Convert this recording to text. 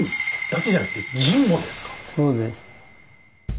そうです。